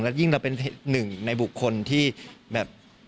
ยิ่งเราเป็นหนึ่งในบุคคลที่แบบ